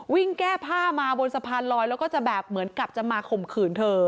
แก้ผ้ามาบนสะพานลอยแล้วก็จะแบบเหมือนกับจะมาข่มขืนเธอ